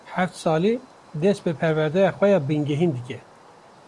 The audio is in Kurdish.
Heft salî dest bi perwedeya xwe ya bingehîn dike.